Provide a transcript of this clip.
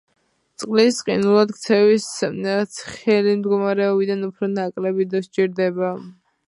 წყლის ყინულად ქცევას ცხელი მდგომარეობიდან უფრო ნაკლები დრო სჭირდება.